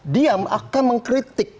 dia akan mengkritik